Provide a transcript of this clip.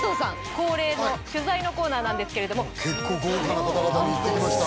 恒例の取材のコーナーなんですけれども結構豪華な方々に行ってきました